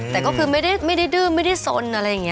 แต่ก็คือไม่ได้ดื้มไม่ได้สน